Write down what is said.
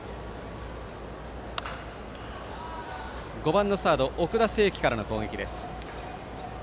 ５番のサード奥田誠絆からの攻撃です。